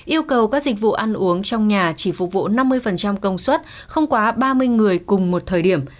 yêu cầu các dịch vụ ăn uống trong nhà chỉ phục vụ năm mươi công suất không quá ba mươi người cùng một thời điểm